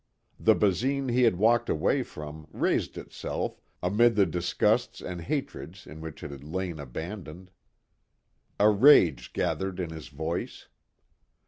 The Basine he had walked away from raised itself amid the disgusts and hatreds in which it had lain abandoned. A rage gathered in his voice.